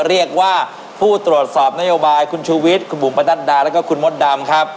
เรียกว่าผู้ตรวจสอบนโยบายคุณชูวิทย์คุณบุ๋มประนัดดาแล้วก็คุณมดดำครับ